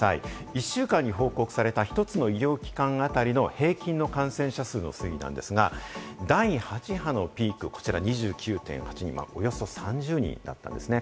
１週間に報告された１つの医療機関あたりの平均の感染者数の推移なんですが、第８波のピーク、こちら２９．８人、およそ３０人だったんですね。